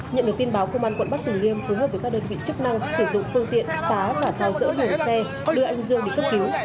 nhận được tin báo công an quận bắc từ liêm phối hợp với các đơn vị chức năng sử dụng phương tiện phá và thao dỡ bùn xe có đưa anh dương đi cấp cứu